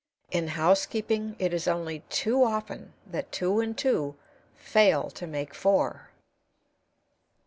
In housekeeping it is only too often that two and two fail to make four.